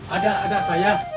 ada ada sayang